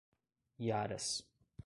Iaras